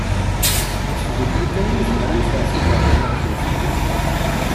S tdukkli kan i nezmer ad nefres iverdan i ɣef nteddu.